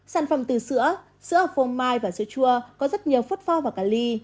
sản phẩm từ sữa sữa ở phô mai và sữa chua có rất nhiều phốt pho và cali